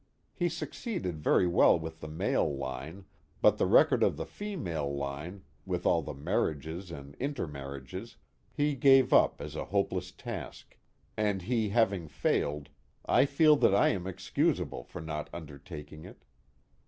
He succeeded very well with the male line, but the record of the female line, with all the marriages and intermarriages, he gave up as a hopeless task, and he having failed, I feel that I am excusable for not undertaking it.